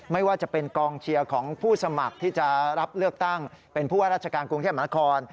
ไม่ว่าจะเป็นกองเชียร์ของผู้สมัครที่จะรับเลือกตั้งเป็นผู้ว่าราชการกรุงเทพมหานคร